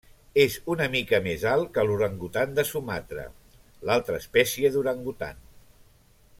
És una mica més alt que l'orangutan de Sumatra, l'altra espècie d'orangutan.